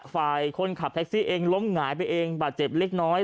ฝ่ายคนขับแท็กซี่เองล้มหงายไปเองบาดเจ็บเล็กน้อย